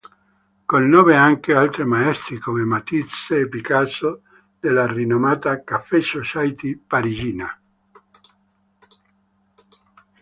Conobbe anche altri maestri, come Matisse e Picasso, della rinomata "café society" parigina.